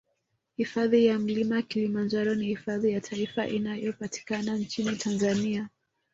Hifadhi ya Mlima Kilimanjaro ni hifadhi ya taifa inayopatikana nchini Tanzania